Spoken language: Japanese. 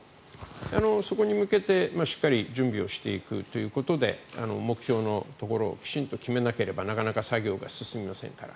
そこに向けて、しっかり準備をしていくということで目標のところをきちんと決めなければなかなか作業が進みませんから。